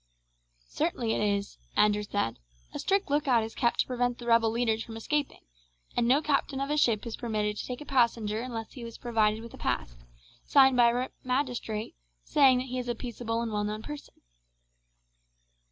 "Certainly it is," Andrew said. "A strict lookout is kept to prevent the rebel leaders from escaping, and no captain of a ship is permitted to take a passenger unless he is provided with a pass, signed by a magistrate, saying that he is a peaceable and well known person."